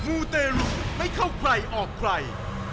มูเตรุไม่เข้าใครออกใคร